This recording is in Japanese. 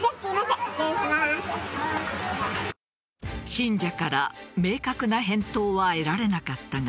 信者から明確な返答は得られなかったが